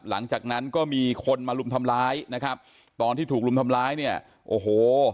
หลังจากนั้นก็มีคนมาลุมทำร้ายนะครับตอนที่ถูกรุมทำร้ายเนี่ยโอ้โห